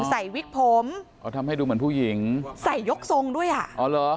ใส่วิกผมทำให้ดูเหมือนผู้หญิงใส่ยกทรงด้วยอ๋อหรอ